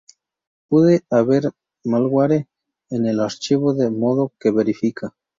Puede haber malware en el archivo, de modo que verifica